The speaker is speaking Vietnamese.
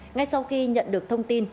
ngay sau khi nhận được thông tin